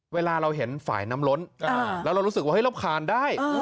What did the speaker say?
เวลาเราเห็นฝ่ายน้ำล้นแล้วเรารู้สึกว่าเราคานได้